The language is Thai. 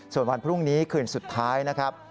ส่วนวันพรุ่งนี้คืนสุดท้ายนะครับ